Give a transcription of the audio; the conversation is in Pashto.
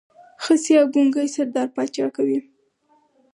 خصي او ګونګی سردار پاچا کوي.